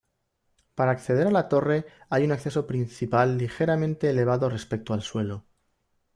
Para acceder a la torre hay un acceso principal ligeramente elevado respecto al suelo.